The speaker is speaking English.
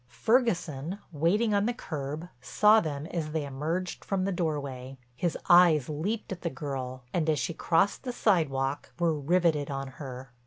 Ferguson, waiting on the curb, saw them as they emerged from the doorway. His eyes leaped at the girl, and, as she crossed the sidewalk, were riveted on her.